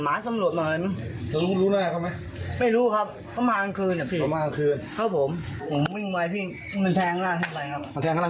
หมาสำรวจบ้างอะไรมั้ยรู้รู้แล้วไงเขาไหมไม่รู้ครับเขามากลางคืนครับพี่